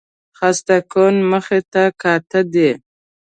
خسته کن مخ ته کاته دي